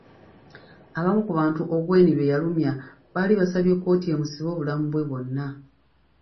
Abamu ku bantu Ongwen be yalumya baali basabye kkooti emusibe obulamu bwe bwonna.